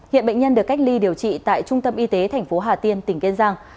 hiện bệnh nhân được cách ly điều trị tại trung tâm y tế thành phố hà tiên tỉnh kiên giang